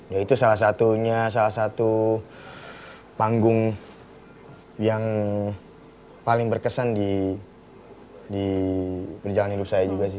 ya itu salah satunya salah satu panggung yang paling berkesan di perjalanan hidup saya juga sih